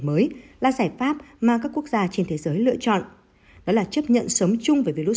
mới là giải pháp mà các quốc gia trên thế giới lựa chọn đó là chấp nhận sống chung với virus